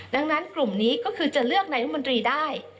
ดังนั้นกลุ่มนี้ก็คือจะเลือกนายรัฐมนตรีได้